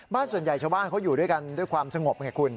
ส่วนใหญ่ชาวบ้านเขาอยู่ด้วยกันด้วยความสงบไงคุณ